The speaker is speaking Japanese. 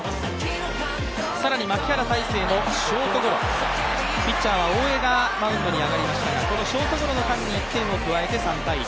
更に牧原大成のショートゴロ、ピッチャーは大江がマウンドに上がりましたがこのショートゴロの間に１点を加えて３−１。